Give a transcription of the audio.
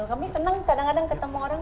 kami senang kadang kadang ketemu orang